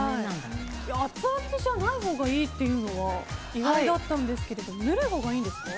アツアツじゃないほうがいいというのは意外だったんですけどぬるいほうがいいんですか？